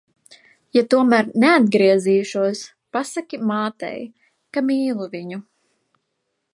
Ja tomēr neatgriezīšos, pasaki mātei, ka mīlu viņu.